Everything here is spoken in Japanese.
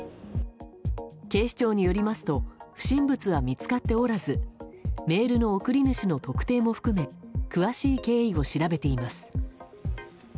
警視庁によりますと不審物は見つかっておらずメールの送り主の特定も含め詳しい経緯を調べています。